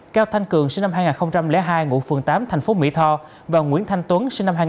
cao thanh cường và nguyễn thanh tuấn